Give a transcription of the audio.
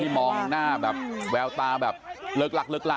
ตอนที่มองหน้าแบบแววตาแบบเล็กล่ะ